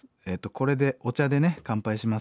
これでお茶でね乾杯します